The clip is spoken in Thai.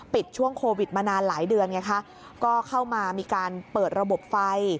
ช่วงโควิดมานานหลายเดือนไงคะก็เข้ามามีการเปิดระบบไฟ